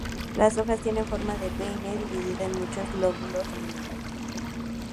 Las hojas tienen forma de peine, dividida en muchos lóbulos lineales.